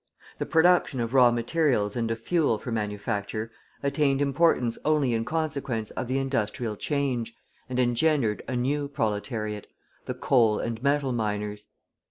The production of raw materials and of fuel for manufacture attained importance only in consequence of the industrial change, and engendered a new proletariat, the coal and metal miners.